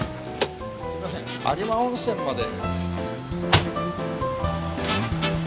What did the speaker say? すいません有馬温泉まで。